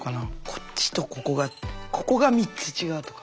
こっちとここがここが３つ違うとか。